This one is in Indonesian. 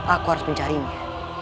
aku harus mencarinya